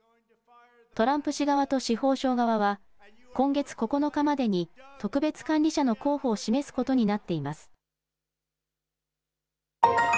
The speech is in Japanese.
トランプ氏側と司法省側は今月９日までに特別管理者の候補を示すことになっています。